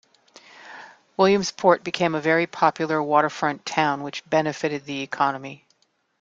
Williamsport became a very popular waterfront town which benefited the economy.